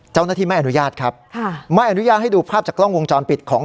ไม่อนุญาตครับค่ะไม่อนุญาตให้ดูภาพจากกล้องวงจรปิดของ